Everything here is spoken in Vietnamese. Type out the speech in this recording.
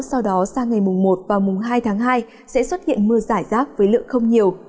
sau đó sang ngày mùng một và mùng hai tháng hai sẽ xuất hiện mưa giải rác với lượng không nhiều